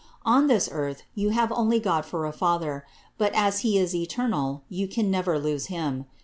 0n tliis earth you have only God for a father; but, as he is eternal, yoo can never lose him.